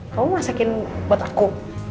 kamu masakin buat aku